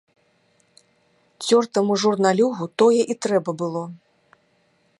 Цёртаму журналюгу тое і трэба было.